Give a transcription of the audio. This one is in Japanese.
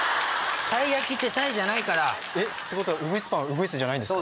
たい焼きってタイじゃないから。ってことはうぐいすパンはウグイスじゃないんですか？